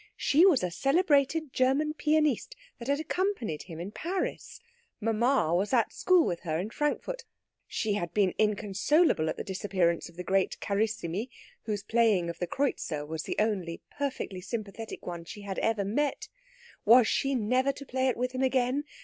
She was a celebrated German pianiste that had accompanied him in Paris. Mamma was at school with her at Frankfort. She had been inconsolable at the disappearance of the great Carissimi, whose playing of the Kreutzer was the only perfectly sympathetic one she had ever met. Was she never to play it with him again?